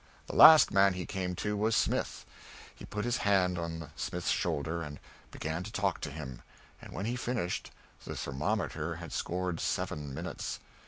The last man he came to was Smith. He put his hand on Smith's shoulder and began to talk to him; and when he finished, the thermometer had scored seven minutes!